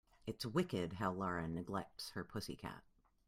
It's wicked how Lara neglects her pussy cat.